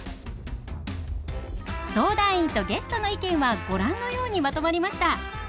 相談員とゲストの意見はご覧のようにまとまりました。